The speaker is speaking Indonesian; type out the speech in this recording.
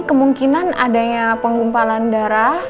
kemungkinan ada pengumpalan darah